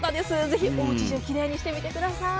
ぜひ、おうち中、きれにいしてみてください。